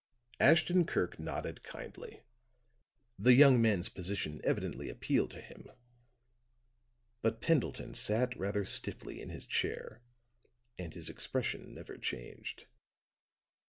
Ashton Kirk nodded kindly; the young man's position evidently appealed to him. But Pendleton sat rather stiffly in his chair and his expression never changed.